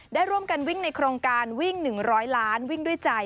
ได้ร่วมกันวิ่งในโครงการวิ่ง๑๐๐ล้านวิ่งด้วยใจ